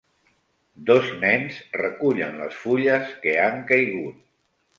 Dos nens recullen les fulles que han caigut.